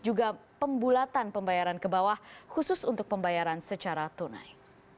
juga pembulatan pembayaran ke bawah khusus untuk pembayaran secara tunai